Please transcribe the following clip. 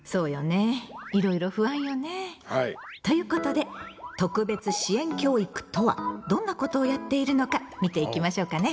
ということで特別支援教育とはどんなことをやっているのか見ていきましょうかね。